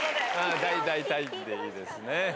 大体でいいですね。